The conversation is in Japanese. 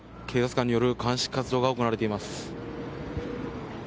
警察官による鑑識活動が行われています。